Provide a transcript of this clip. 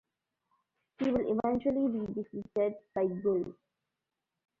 He will eventually be defeated by Gil.